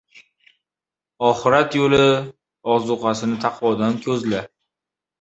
— Oxirat yo‘l ozuqasini taqvodon ko‘zla.